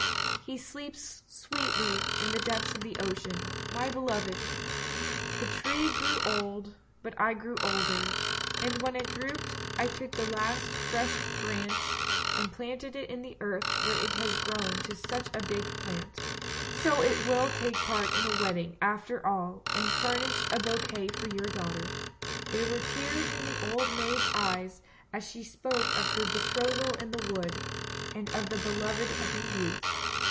He sleeps sweetly in the depths of the ocean — my beloved! The tree grew old, but I grew older, and when it drooped I took the last fresh branch and planted it in the earth where it has grown to such a big plant. So it will take part in a wedding after all and furnish a bouquet for your daughter! " There were tears in the old maid's eyes as she spoke of her betrothal in the wood, and of the beloved of her youth.